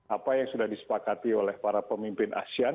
apa yang sudah disepakati oleh para pemimpin asean